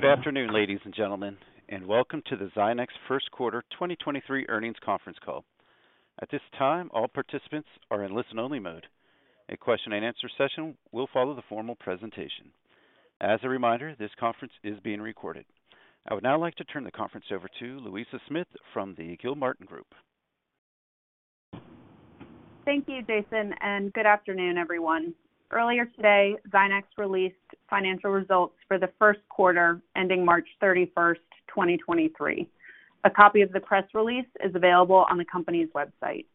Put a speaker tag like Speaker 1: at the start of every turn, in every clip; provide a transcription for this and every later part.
Speaker 1: Good afternoon, ladies and gentlemen, welcome to the Zynex first quarter 2023 earnings conference call. At this time, all participants are in listen-only mode. A question-and-answer session will follow the formal presentation. As a reminder, this conference is being recorded. I would now like to turn the conference over to Louisa Smith from the Gilmartin Group.
Speaker 2: Thank you, Jason. Good afternoon, everyone. Earlier today, Zynex released financial results for the first quarter ending March 31st, 2023. A copy of the press release is available on the company's website.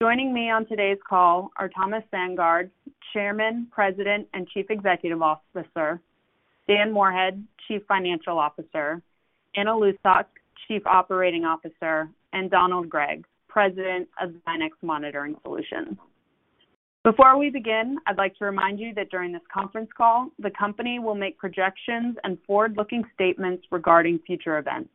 Speaker 2: Joining me on today's call are Thomas Sandgaard, Chairman, President, and Chief Executive Officer, Dan Moorhead, Chief Financial Officer, Anna Lucsok, Chief Operating Officer, and Donald Gregg, President of Zynex Monitoring Solutions. Before we begin, I'd like to remind you that during this conference call, the company will make projections and forward-looking statements regarding future events.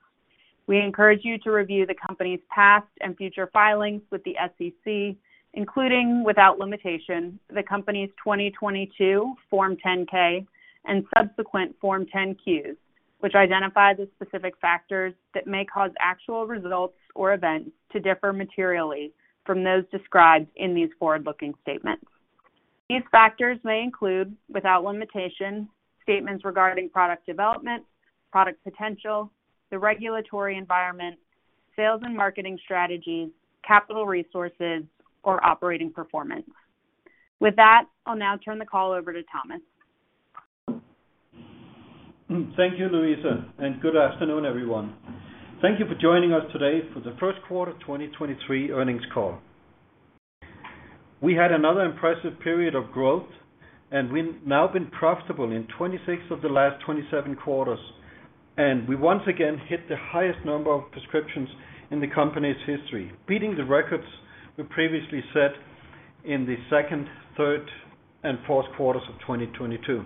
Speaker 2: We encourage you to review the company's past and future filings with the SEC, including, without limitation, the company's 2022 Form 10-K and subsequent Form 10-Qs, which identify the specific factors that may cause actual results or events to differ materially from those described in these forward-looking statements. These factors may include, without limitation, statements regarding product development, product potential, the regulatory environment, sales and marketing strategies, capital resources, or operating performance. With that, I'll now turn the call over to Thomas.
Speaker 3: Thank you, Louisa. Good afternoon, everyone. Thank you for joining us today for the first quarter of 2023 earnings call. We had another impressive period of growth. We've now been profitable in 26 of the last 27 quarters. We once again hit the highest number of prescriptions in the company's history, beating the records we previously set in the second, third, and fourth quarters of 2022.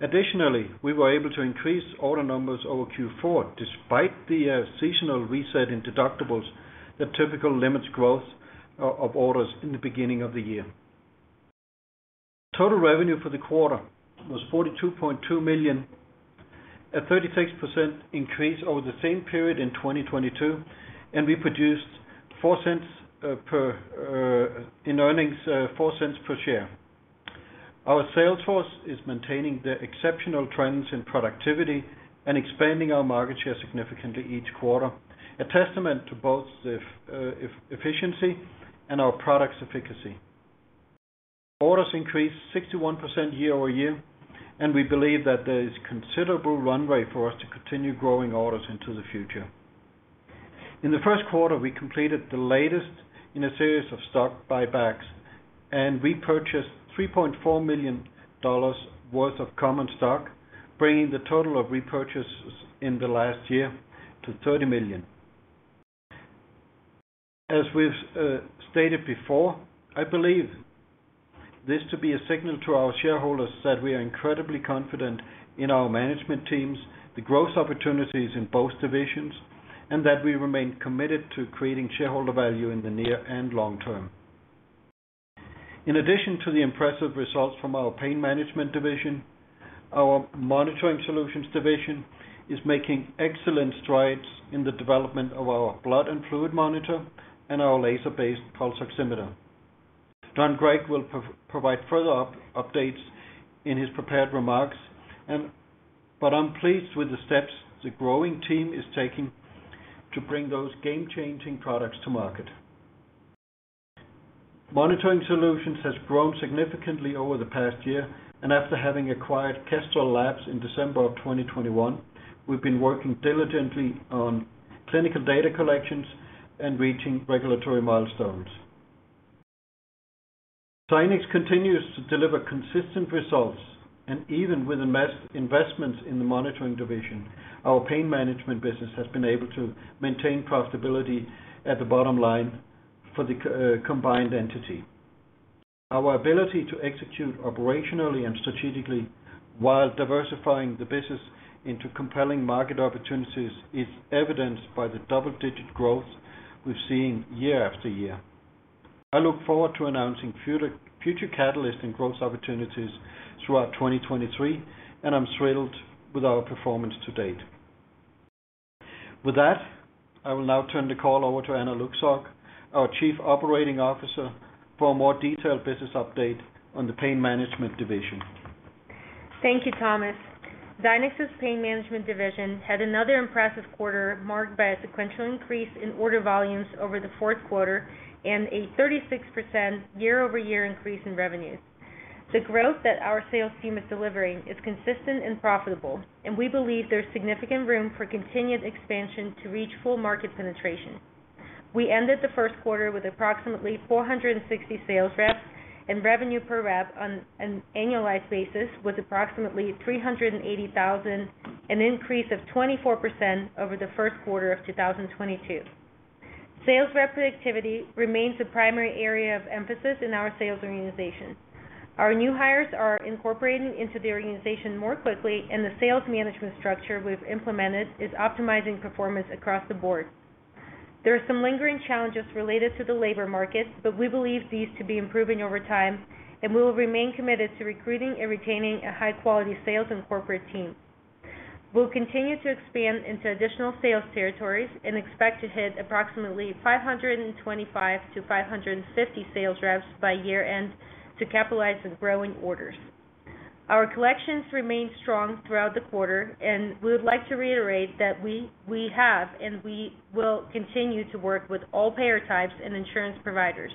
Speaker 3: Additionally, we were able to increase order numbers over Q4 despite the seasonal reset in deductibles that typically limits growth of orders in the beginning of the year. Total revenue for the quarter was $42.2 million, a 36% increase over the same period in 2022. We produced $0.04 per in earnings, $0.04 per share. Our sales force is maintaining the exceptional trends in productivity and expanding our market share significantly each quarter, a testament to both the efficiency and our product's efficacy. Orders increased 61% year-over-year. We believe that there is considerable runway for us to continue growing orders into the future. In the first quarter, we completed the latest in a series of stock buybacks and repurchased $3.4 million worth of common stock, bringing the total of repurchases in the last year to $30 million. As we've stated before, I believe this to be a signal to our shareholders that we are incredibly confident in our management teams, the growth opportunities in both divisions, and that we remain committed to creating shareholder value in the near and long term. In addition to the impressive results from our Pain Management division, our Monitoring Solutions division is making excellent strides in the development of our blood and fluid monitor and our laser-based pulse oximeter. Don Gregg will provide further updates in his prepared remarks but I'm pleased with the steps the growing team is taking to bring those game-changing products to market. Monitoring Solutions has grown significantly over the past year, and after having acquired Kestrel Labs in December of 2021, we've been working diligently on clinical data collections and reaching regulatory milestones. Zynex continues to deliver consistent results, and even with investments in the Monitoring division, our Pain Management business has been able to maintain profitability at the bottom line for the combined entity. Our ability to execute operationally and strategically while diversifying the business into compelling market opportunities is evidenced by the double-digit growth we've seen year after year. I look forward to announcing future catalyst and growth opportunities throughout 2023. I'm thrilled with our performance to date. With that, I will now turn the call over to Anna Lucsok, our Chief Operating Officer, for a more detailed business update on the Pain Management division.
Speaker 4: Thank you, Thomas. Zynex's Pain Management division had another impressive quarter marked by a sequential increase in order volumes over the fourth quarter and a 36% year-over-year increase in revenues. The growth that our sales team is delivering is consistent and profitable, and we believe there's significant room for continued expansion to reach full market penetration. We ended the first quarter with approximately 460 sales reps and revenue per rep on an annualized basis with approximately $380,000, an increase of 24% over the first quarter of 2022. Sales rep productivity remains the primary area of emphasis in our sales organization. Our new hires are incorporating into the organization more quickly, and the sales management structure we've implemented is optimizing performance across the board. There are some lingering challenges related to the labor market, but we believe these to be improving over time, and we will remain committed to recruiting and retaining a high-quality sales and corporate team. We'll continue to expand into additional sales territories and expect to hit approximately 525-550 sales reps by year-end to capitalize on growing orders. Our collections remained strong throughout the quarter, and we would like to reiterate that we have and we will continue to work with all payer types and insurance providers.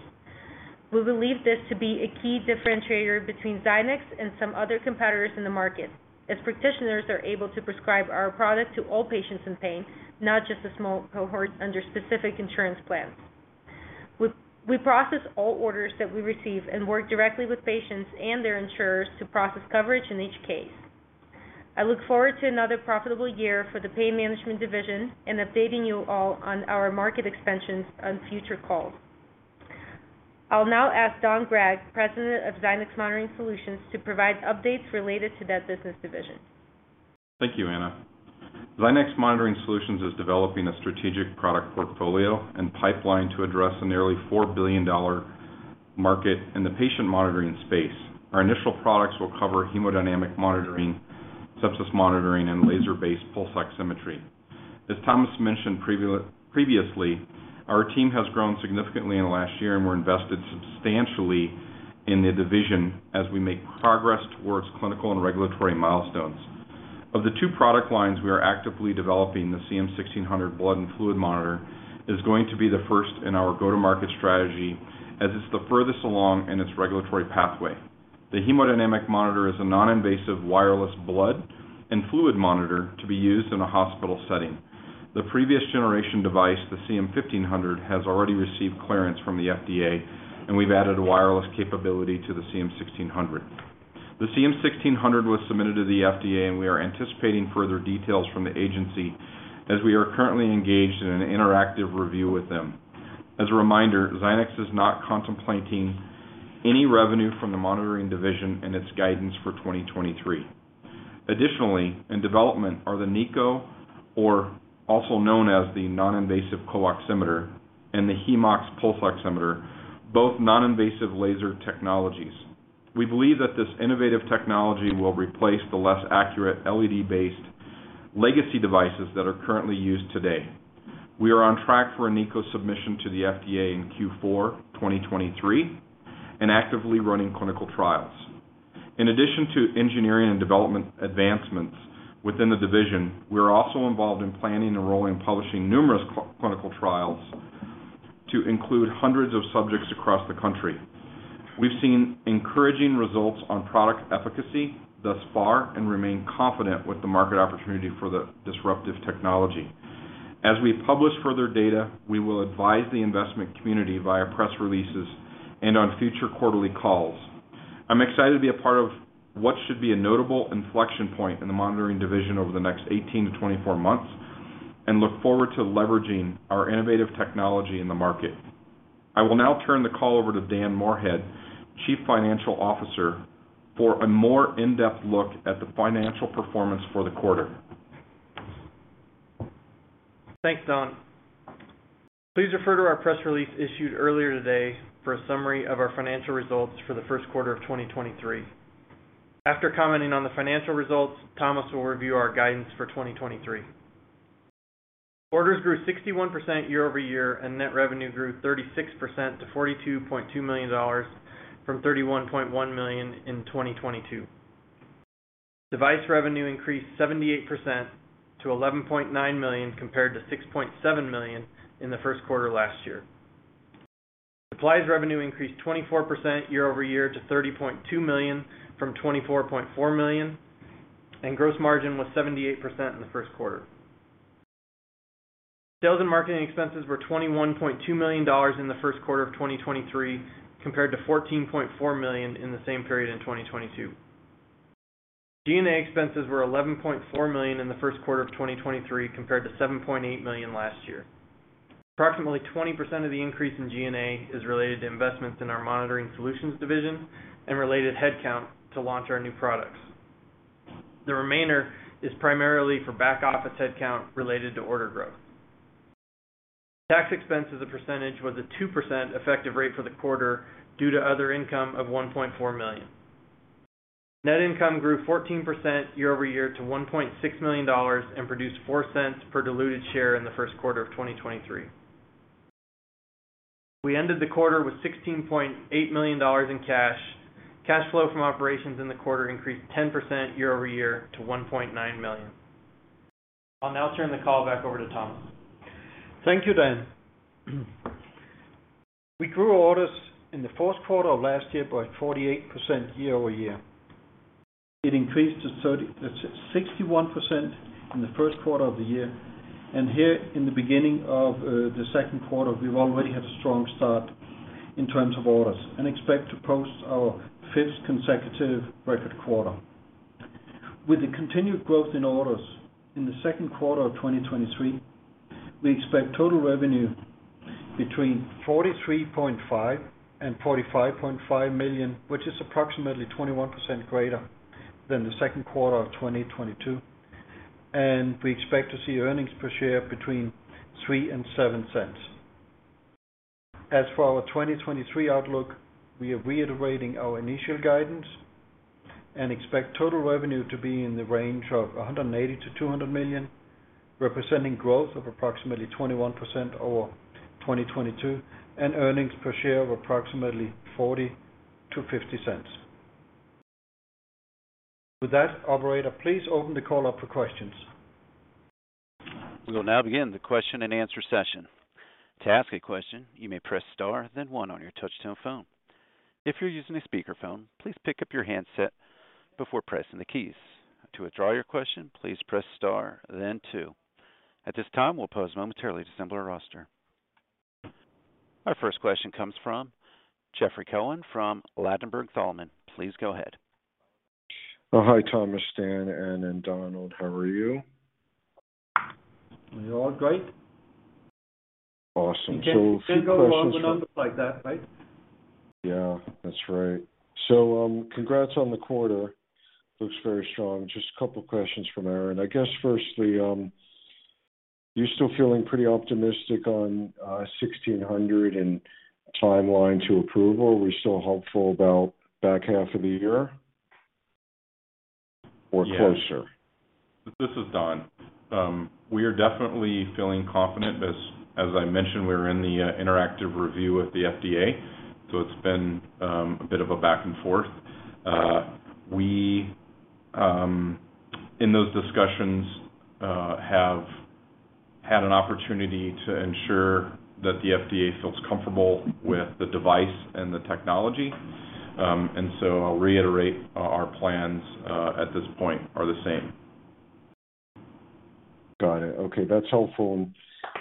Speaker 4: We believe this to be a key differentiator between Zynex and some other competitors in the market, as practitioners are able to prescribe our product to all patients in pain, not just a small cohort under specific insurance plans. We process all orders that we receive and work directly with patients and their insurers to process coverage in each case. I look forward to another profitable year for the Pain Management division and updating you all on our market expansions on future calls. I'll now ask Don Gregg, President of Zynex Monitoring Solutions, to provide updates related to that business division.
Speaker 5: Thank you, Anna Lucsok. Zynex Monitoring Solutions is developing a strategic product portfolio and pipeline to address a nearly $4 billion market in the patient monitoring space. Our initial products will cover hemodynamic monitoring, sepsis monitoring, and laser-based pulse oximetry. As Thomas mentioned previously, our team has grown significantly in the last year, and we're invested substantially in the division as we make progress towards clinical and regulatory milestones. Of the two product lines we are actively developing, the CM-1600 Blood and Fluid Monitor is going to be the first in our go-to-market strategy, as it's the furthest along in its regulatory pathway. The Hemodynamic Monitor is a non-invasive wireless blood and fluid monitor to be used in a hospital setting. The previous generation device, the CM-1500, has already received clearance from the FDA, and we've added wireless capability to the CM-1600. The CM-1600 was submitted to the FDA. We are anticipating further details from the agency as we are currently engaged in an interactive review with them. As a reminder, Zynex is not contemplating any revenue from the monitoring division in its guidance for 2023. Additionally, in development are the NiCO, or also known as the Noninvasive CO-Oximeter, and the HemeOx pulse oximeter, both non-invasive laser technologies. We believe that this innovative technology will replace the less accurate LED-based legacy devices that are currently used today. We are on track for a NiCO submission to the FDA in Q4 2023 and actively running clinical trials. In addition to engineering and development advancements within the division, we're also involved in planning, enrolling, publishing numerous clinical trials to include hundreds of subjects across the country. We've seen encouraging results on product efficacy thus far and remain confident with the market opportunity for the disruptive technology. As we publish further data, we will advise the investment community via press releases and on future quarterly calls. I'm excited to be a part of what should be a notable inflection point in the monitoring division over the next 18 to 24 months and look forward to leveraging our innovative technology in the market. I will now turn the call over to Dan Moorhead, Chief Financial Officer, for a more in-depth look at the financial performance for the quarter.
Speaker 6: Thanks, Don. Please refer to our press release issued earlier today for a summary of our financial results for the first quarter of 2023. After commenting on the financial results, Thomas will review our guidance for 2023. Orders grew 61% year-over-year, net revenue grew 36% to $42.2 million from $31.1 million in 2022. Device revenue increased 78% to $11.9 million compared to $6.7 million in the first quarter last year. Supplies revenue increased 24% year-over-year to $30.2 million from $24.4 million, gross margin was 78% in the first quarter. Sales and marketing expenses were $21.2 million in the first quarter of 2023 compared to $14.4 million in the same period in 2022. G&A expenses were $11.4 million in the first quarter of 2023 compared to $7.8 million last year. Approximately 20% of the increase in G&A is related to investments in our Monitoring Solutions division and related headcount to launch our new products. The remainder is primarily for back office headcount related to order growth. Tax expense as a percentage was a 2% effective rate for the quarter due to other income of $1.4 million. Net income grew 14% year-over-year to $1.6 million and produced $0.04 per diluted share in the first quarter of 2023. We ended the quarter with $16.8 million in cash. Cash flow from operations in the quarter increased 10% year-over-year to $1.9 million. I'll now turn the call back over to Thomas.
Speaker 3: Thank you, Dan. We grew orders in the fourth quarter of last year by 48% year-over-year. It increased to 61% in the first quarter of the year, and here in the beginning of the second quarter, we've already had a strong start in terms of orders and expect to post our fifth consecutive record quarter. With the continued growth in orders in the second quarter of 2023, we expect total revenue Between $43.5 million and $45.5 million, which is approximately 21% greater than the second quarter of 2022. We expect to see earnings per share between $0.03 and $0.07. As for our 2023 outlook, we are reiterating our initial guidance and expect total revenue to be in the range of $180 million-$200 million, representing growth of approximately 21% over 2022, and earnings per share of approximately $0.40-$0.50. With that, operator, please open the call up for questions.
Speaker 1: We will now begin the question and answer session. To ask a question, you may press Star then 1 on your touchtone phone. If you're using a speakerphone, please pick up your handset before pressing the keys. To withdraw your question, please press Star then 2. At this time, we'll pause momentarily to assemble our roster. Our first question comes from Jeffrey Cohen from Ladenburg Thalmann. Please go ahead.
Speaker 7: Oh, hi, Thomas, Dan, Anna, and Donald. How are you?
Speaker 3: We're all great.
Speaker 7: Awesome. A few questions...
Speaker 3: Can't go wrong with numbers like that, right?
Speaker 7: Yeah, that's right. Congrats on the quarter. Looks very strong. Just a couple questions from Aaron. I guess, firstly, you're still feeling pretty optimistic on 1600 and timeline to approval. We're still hopeful about back half of the year or closer?
Speaker 5: Yes. This is Don. We are definitely feeling confident. As I mentioned, we're in the interactive review with the FDA, it's been a bit of a back and forth. We in those discussions have had an opportunity to ensure that the FDA feels comfortable with the device and the technology. I'll reiterate our plans at this point are the same.
Speaker 7: Got it. Okay, that's helpful.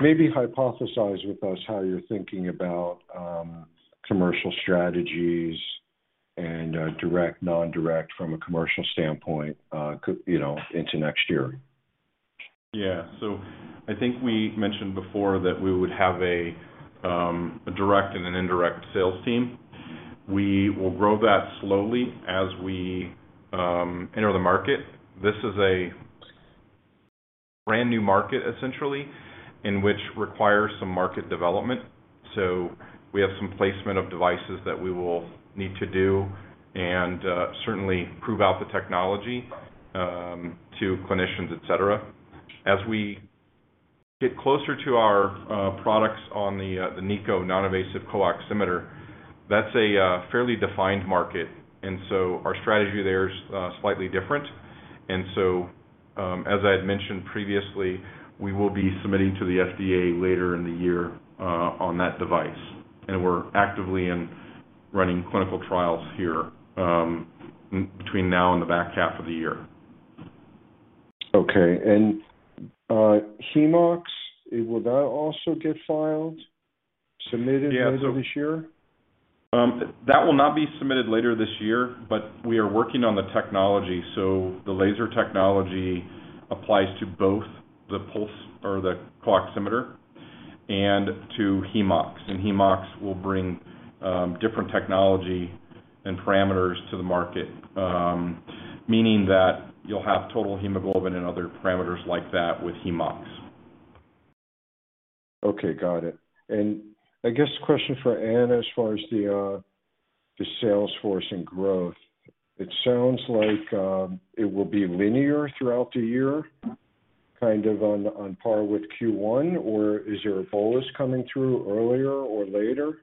Speaker 7: Maybe hypothesize with us how you're thinking about commercial strategies and direct, non-direct from a commercial standpoint into next year?
Speaker 5: Yeah. I think we mentioned before that we would have a direct and an indirect sales team. We will grow that slowly as we enter the market. This is a brand-new market, essentially, and which requires some market development. We have some placement of devices that we will need to do and certainly prove out the technology to clinicians, et cetera. As we get closer to our products on the NiCO Noninvasive CO-Oximeter, that's a fairly defined market. Our strategy there is slightly different. As I had mentioned previously, we will be submitting to the FDA later in the year on that device. We're actively in running clinical trials here between now and the back half of the year.
Speaker 7: Okay. HemeOx, will that also get filed, submitted later this year?
Speaker 5: Yeah. That will not be submitted later this year, but we are working on the technology. The laser technology applies to both the pulse or the CO-Oximeter and to HemeOx. HemeOx will bring different technology and parameters to the market, meaning that you'll have total hemoglobin and other parameters like that with HemeOx.
Speaker 7: Okay, got it. I guess question for Anna as far as the sales force and growth. It sounds like it will be linear throughout the year, kind of on par with Q1, or is there a bolus coming through earlier or later?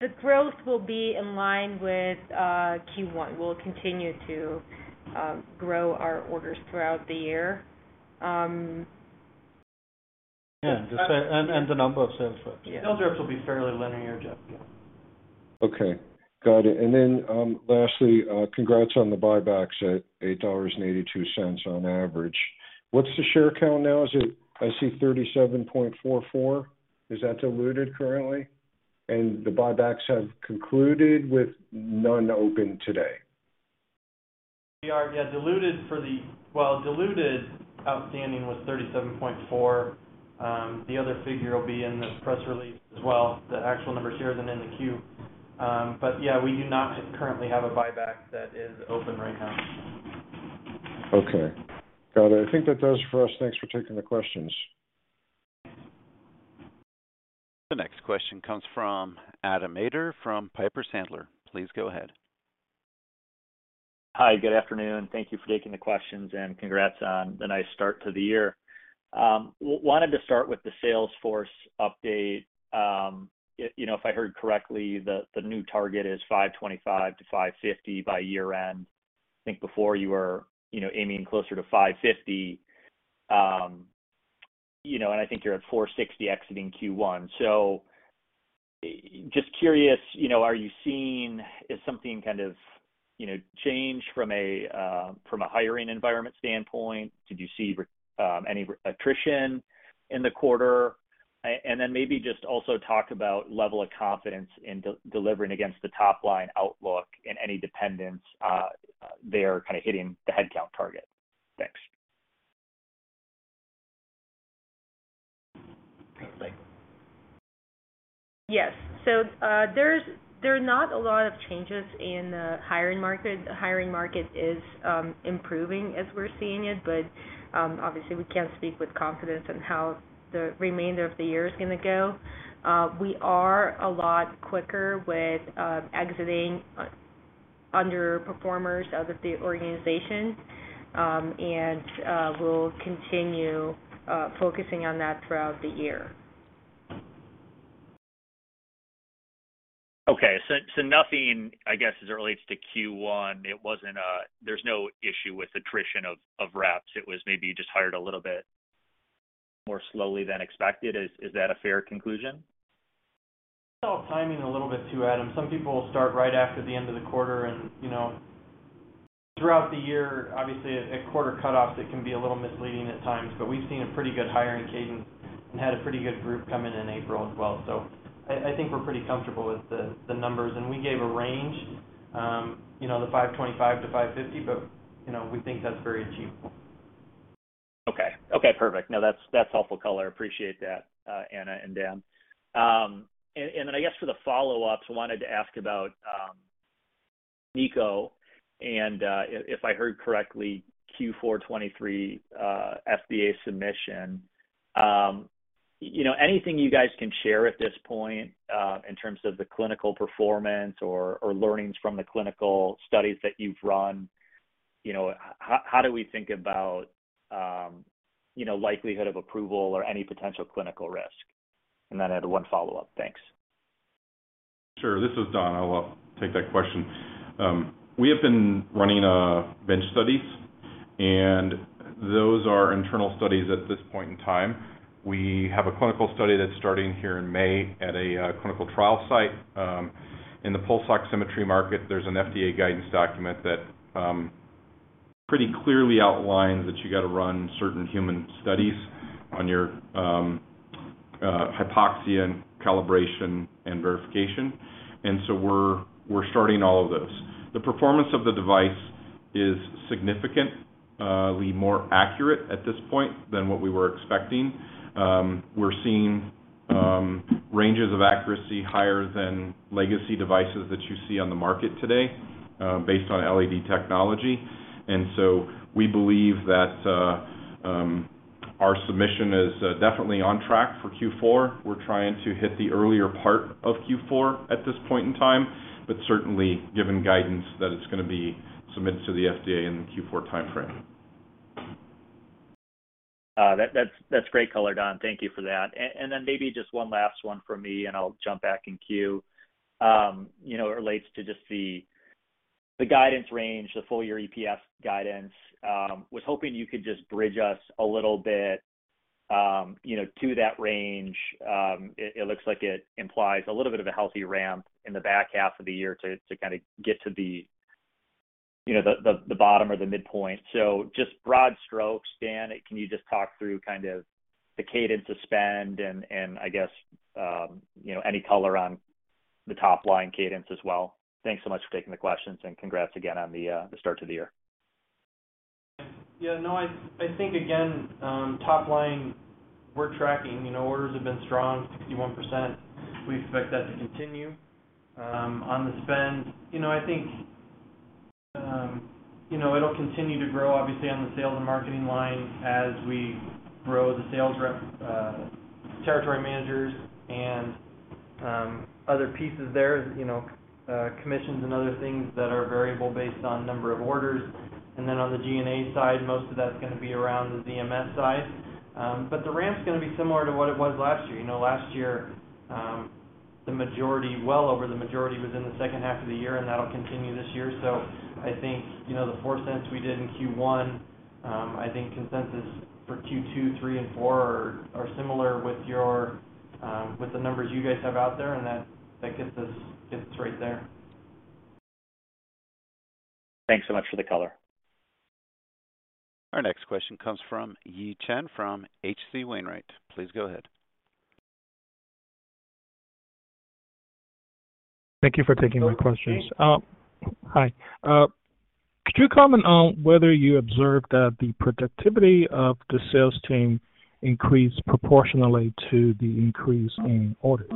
Speaker 4: The growth will be in line with Q1. We'll continue to grow our orders throughout the year.
Speaker 3: Yeah. The number of sales reps.
Speaker 4: Yeah.
Speaker 5: Sales reps will be fairly linear, Jeff. Yeah.
Speaker 7: Okay. Got it. Lastly, congrats on the buybacks at $8.82 on average. What's the share count now? I see 37.44. Is that diluted currently? The buybacks have concluded with none open today.
Speaker 5: We are, yeah, Well, diluted outstanding was 37.4. The other figure will be in the press release as well, the actual number of shares and in the Q. Yeah, we do not currently have a buyback that is open right now.
Speaker 7: Okay. Got it. I think that's us for us. Thanks for taking the questions.
Speaker 1: The next question comes from Adam Maeder from Piper Sandler. Please go ahead.
Speaker 8: Hi. Good afternoon. Thank you for taking the questions. Congrats on the nice start to the year. wanted to start with the sales force update. you know, if I heard correctly, the new target is 525-550 by year-end. I think before you were, you know, aiming closer to 550. you know, I think you're at 460 exiting Q1. Just curious, you know, are you seeing... Is something kind of, you know, change from a hiring environment standpoint? Did you see any attrition in the quarter? Then maybe just also talk about level of confidence in delivering against the top line outlook and any dependence there kind of hitting the headcount target. Thanks.
Speaker 4: There are not a lot of changes in the hiring market. The hiring market is improving as we're seeing it, but obviously we can't speak with confidence on how the remainder of the year is gonna go. We are a lot quicker with exiting underperformers out of the organization, and we'll continue focusing on that throughout the year.
Speaker 8: Okay. Nothing, I guess, as it relates to Q1, there's no issue with attrition of reps. It was maybe you just hired a little bit more slowly than expected. Is that a fair conclusion?
Speaker 6: It's all timing a little bit too, Adam. Some people start right after the end of the quarter and, you know, throughout the year, obviously at quarter cutoffs, it can be a little misleading at times. We've seen a pretty good hiring cadence and had a pretty good group come in in April as well. I think we're pretty comfortable with the numbers. We gave a range, you know, the 525-550, but, you know, we think that's very achievable.
Speaker 8: Okay. Okay, perfect. No, that's helpful color. I appreciate that, Anna and Dan. Then I guess for the follow-ups, I wanted to ask about NiCO and, if I heard correctly, Q4 2023, FDA submission? You know, anything you guys can share at this point, in terms of the clinical performance or learnings from the clinical studies that you've run, you know, how do we think about likelihood of approval or any potential clinical risk? And then I had one follow-up. Thanks.
Speaker 5: Sure. This is Don. I will take that question. We have been running bench studies, and those are internal studies at this point in time. We have a clinical study that's starting here in May at a clinical trial site. In the pulse oximetry market, there's an FDA guidance document that pretty clearly outlines that you gotta run certain human studies on your hypoxia and calibration and verification. We're starting all of those. The performance of the device is significantly more accurate at this point than what we were expecting. We're seeing ranges of accuracy higher than legacy devices that you see on the market today, based on LED technology. We believe that our submission is definitely on track for Q4. We're trying to hit the earlier part of Q4 at this point in time, but certainly given guidance that it's gonna be submitted to the FDA in the Q4 timeframe.
Speaker 8: That's great color, Don. Thank you for that. Then maybe just one last one from me, and I'll jump back in queue. You know, it relates to just the guidance range, the full year EPS guidance. Was hoping you could just bridge us a little bit, you know, to that range. It looks like it implies a little bit of a healthy ramp in the back half of the year to kinda get to the bottom or the midpoint. Just broad strokes, Dan, can you just talk through kind of the cadence of spend and I guess, you know, any color on the top line cadence as well. Thanks so much for taking the questions and congrats again on the start to the year.
Speaker 6: Yeah, no, I think again, top line we're tracking. You know, orders have been strong, 61%. We expect that to continue. On the spend, you know, I think, you know, it'll continue to grow obviously on the sales and marketing line as we grow the sales rep, territory managers and other pieces there, you know, commissions and other things that are variable based on number of orders. On the G&A side, most of that's gonna be around the ZMS side. The ramp's gonna be similar to what it was last year. You know, last year, the majority, well over the majority was in the second half of the year, and that'll continue this year. I think, you know, the $0.04 we did in Q1, I think consensus for Q2, Q3 and Q4 are similar with your, with the numbers you guys have out there. That gets us right there.
Speaker 8: Thanks so much for the color.
Speaker 1: Our next question comes from Yi Chen from H.C. Wainwright. Please go ahead.
Speaker 9: Thank you for taking my questions. Hi. Could you comment on whether you observed that the productivity of the sales team increased proportionally to the increase in orders?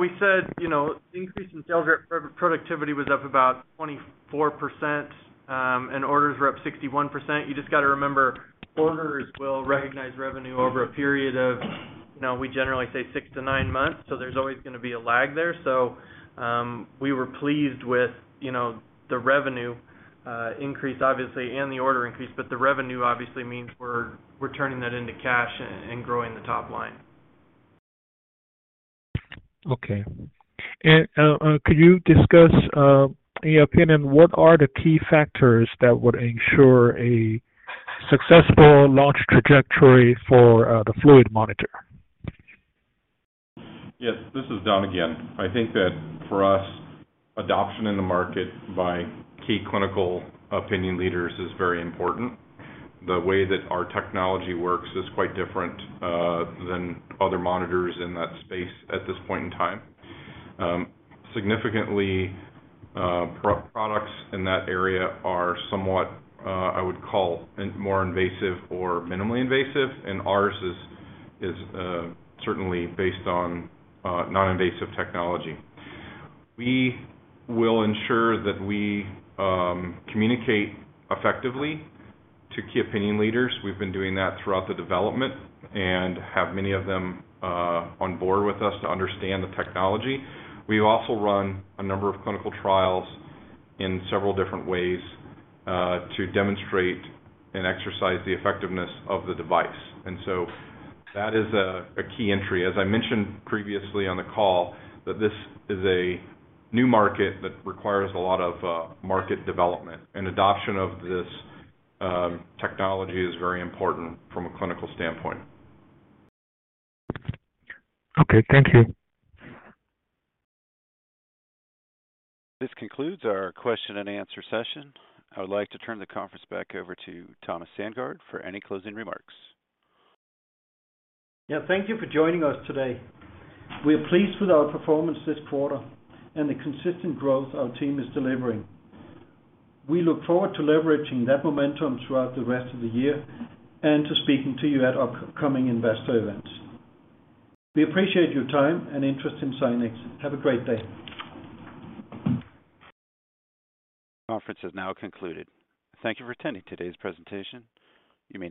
Speaker 6: We said, you know, the increase in sales rep productivity was up about 24%, and orders were up 61%. You just gotta remember, orders will recognize revenue over a period of, you know, we generally say 6-9 months, so there's always gonna be a lag there. We were pleased with, you know, the revenue increase obviously and the order increase, but the revenue obviously means we're turning that into cash and growing the top line.
Speaker 9: Okay. Could you discuss, in your opinion, what are the key factors that would ensure a successful launch trajectory for the fluid monitor?
Speaker 5: Yes, this is Don again. I think that for us, adoption in the market by key clinical opinion leaders is very important. The way that our technology works is quite different than other monitors in that space at this point in time. Significantly, Pro-Products in that area are somewhat, I would call in more invasive or minimally invasive, and ours is certainly based on non-invasive technology. We will ensure that we communicate effectively to key opinion leaders. We've been doing that throughout the development and have many of them on board with us to understand the technology. We've also run a number of clinical trials in several different ways to demonstrate and exercise the effectiveness of the device. That is a key entry. As I mentioned previously on the call, that this is a new market that requires a lot of market development, and adoption of this technology is very important from a clinical standpoint.
Speaker 9: Okay, thank you.
Speaker 1: This concludes our question and answer session. I would like to turn the conference back over to Thomas Sandgaard for any closing remarks.
Speaker 3: Yeah, thank you for joining us today. We are pleased with our performance this quarter and the consistent growth our team is delivering. We look forward to leveraging that momentum throughout the rest of the year and to speaking to you at our upcoming investor events. We appreciate your time and interest in Zynex. Have a great day.
Speaker 1: Conference is now concluded. Thank you for attending today's presentation. You may now disconnect.